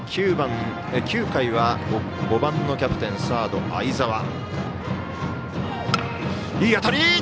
９回は５番のキャプテンサード、相澤。